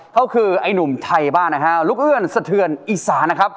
เขาคือไอหนุ่มไทยบ้านนะครับลูกเอื้อมสะเทือนอีสา